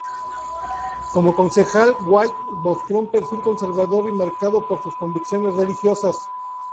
Como concejal, White mostró un perfil conservador y marcado por sus convicciones religiosas.